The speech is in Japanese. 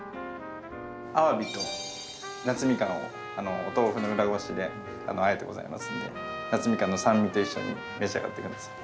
鮑と夏蜜柑をお豆腐の裏ごしで和えてございますので夏蜜柑の酸味と一緒に召し上がって下さい。